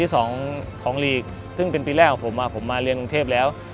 ซึ่งเป็นปีแรกของผมว่าผมมาเรียนรุงเทพแล้ว